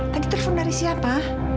tadi telpon dari siapa